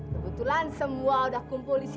kebetulan semua udah kumpul disini